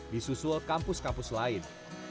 disusul kampus kampus lain